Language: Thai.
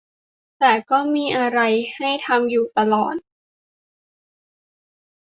แต่ก็จะมีอะไรให้ทำอยู่ตลอด